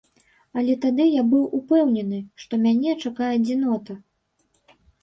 Але тады я быў упэўнены, што мяне чакае адзінота.